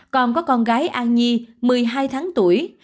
còn có con gái a nhi một mươi hai tháng tuổi